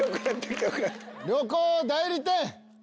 「旅行代理店」。